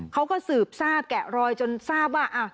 เขาก็สืบทราบแกะรอยจนทราบว่า